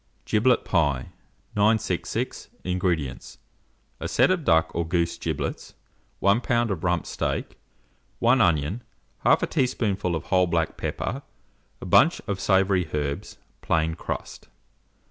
GIBLET PIE. 966. INGREDIENTS. A set of duck or goose giblets, 1 lb. of rump steak, 1 onion, 1/2 teaspoonful of whole black pepper, a bunch of savoury herbs, plain crust.